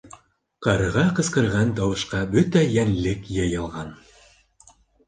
Ҡарға ҡысҡырған тауышҡа бөтә йәнлек йыйылған.